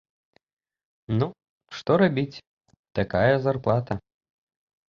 Ну, што рабіць, такая зарплата!